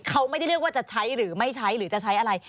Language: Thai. เขาไม่ได้เรียกว่าจะใช้หรือไม่ใช้หรือจะใช้อะไร